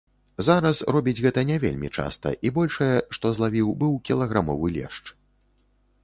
Зараз робіць гэта не вельмі часта і большае, што злавіў, быў кілаграмовы лешч.